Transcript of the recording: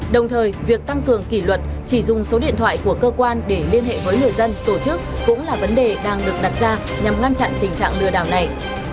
đồng thời việc tăng cường kỷ luật chỉ dùng số điện thoại của cơ quan để liên hệ với người dân tổ chức cũng là vấn đề đang được đặt ra nhằm ngăn chặn tình trạng lừa đảo này